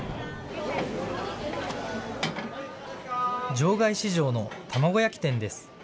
場外市場の卵焼き店です。